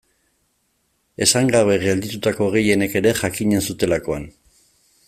Esan gabe gelditutako gehienek ere jakinen zutelakoan.